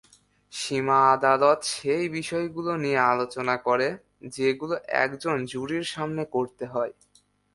সীমা আদালত সেই বিষয়গুলো নিয়ে আলোচনা করে, যেগুলো একজন জুরির সামনে করতে হয়।